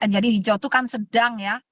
jadi hijau itu kan sedang ya